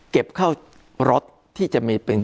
เก็บเข้ารถที่จะมีเป็น